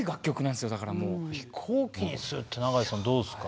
飛行機にするって長井さんどうですか？